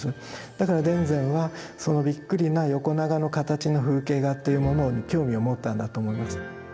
だから田善はそのびっくりな横長な形の風景画っていうものに興味を持ったんだと思います。